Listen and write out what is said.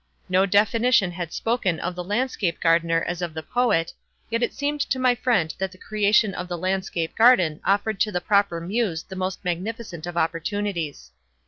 No definition had spoken of the landscape gardener as of the poet; yet it seemed to my friend that the creation of the landscape garden offered to the proper Muse the most magnificent of opportunities.